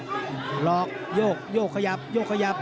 หลอกโยกโยกขยับโยกขยับ